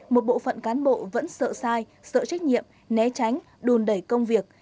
một bộ phận cán bộ vẫn sợ sai sợ trách nhiệm né tránh đùn đẩy công việc